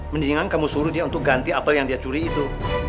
mendingan kamu suruh dia untuk ganti apel yang dia curi itu